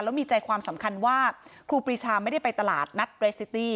แล้วมีใจความสำคัญว่าครูปรีชาไม่ได้ไปตลาดนัดเรสซิตี้